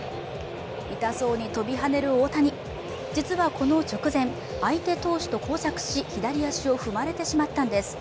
痛そうに飛び跳ねる大谷実はこの直前、相手投手と交錯し左足を踏まれてしまったんです。